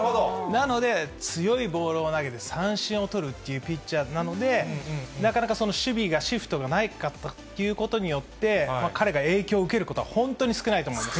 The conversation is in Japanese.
なので、強いボールを投げて三振を取るというピッチャーなので、なかなかその守備が、シフトが何かということによって、彼が影響を受けることは本当に少ないと思います。